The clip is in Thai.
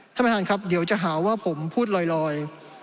ท่านประธานครับเดี๋ยวจะหาว่าผมพูดลอย